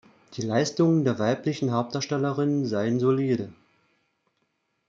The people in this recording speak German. Die Leistungen der weiblichen Hauptdarstellerinnen seien „solide“.